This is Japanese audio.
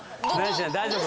大丈夫？